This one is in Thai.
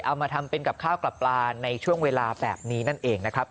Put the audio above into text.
เอามาทำเป็นกับข้าวกลับปลาในช่วงเวลาแบบนี้นั่นเองนะครับ